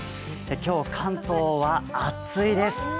今日関東は暑いです。